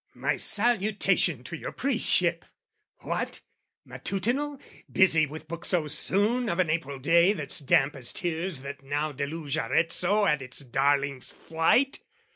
"My salutation to your priestship! What? "Matutinal, busy with book so soon "Of an April day that's damp as tears that now "Deluge Arezzo at its darling's flight?